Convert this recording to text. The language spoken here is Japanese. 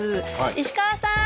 石河さん！